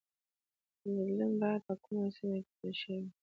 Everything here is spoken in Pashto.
بدلون باید په کومه سیمه کې پیل شوی وای